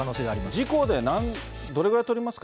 自公でどれぐらい取りますか？